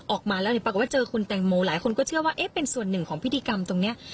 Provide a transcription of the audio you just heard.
ออกมาแล้วปรากฏว่าเจอคุณแตงโมหลายคนก็เชื่อว่าเอ๊ะเป็นส่วนหนึ่งของพิธีกรรมตรงนี้